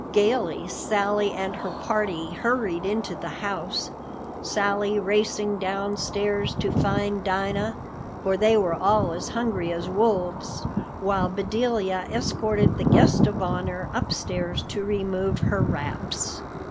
Gaily Sally and her party hurried into the house, Sally racing downstairs to find Dinah, for they were all as hungry as wolves, while Bedelia escorted the guest of honor upstairs to remove her wraps.